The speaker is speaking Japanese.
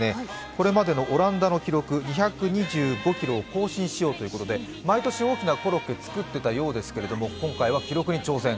これまでのオランダの記録２２５ｋｇを更新しようということで毎年大きなコロッケを作っていたようですけど、今回は記録に挑戦。